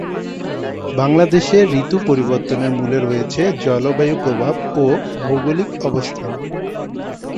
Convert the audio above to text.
বাংলাদেশের ঋতু পরিবর্তনের মূলে রয়েছে জলবায়ুর প্রভাব ও ভৌগলিক অবস্থান।